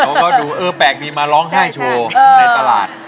เขาก็ดูเออแปลกดีมาร้องไห้โชว์ในตลาด